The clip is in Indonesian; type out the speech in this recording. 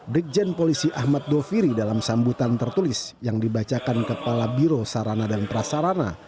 brigjen polisi ahmad doviri dalam sambutan tertulis yang dibacakan kepala biro sarana dan prasarana